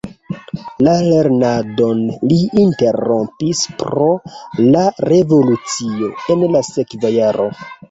La lernadon li interrompis pro la revolucio en la sekva jaro.